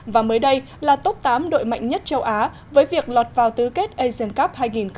và mới đây là top tám đội mạnh nhất châu á với việc lọt vào tứ kết asian cup hai nghìn một mươi chín